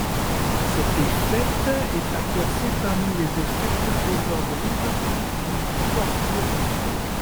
Cet effet est à classer parmi les effets d'overdrive ou de distorsion.